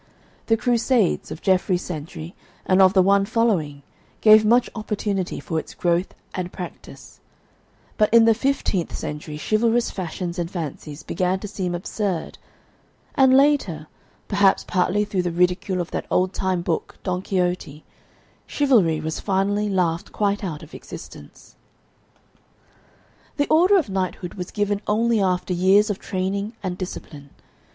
The Crusades, of Geoffrey's century and of the one following, gave much opportunity for its growth and practice; but in the fifteenth century chivalrous fashions and fancies began to seem absurd, and later, perhaps partly through the ridicule of that old time book "Don Quixote," chivalry was finally laughed quite out of existence. The order of knighthood was given only after years of training and discipline.